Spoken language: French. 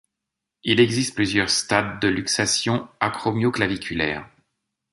Il existe plusieurs stades de luxation acromio-claviculaire.